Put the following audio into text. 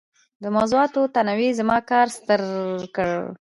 د موضوعاتو تنوع زما کار ستر کړ.